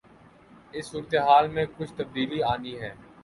اس صورتحال میں کچھ تبدیلی آنی ہے۔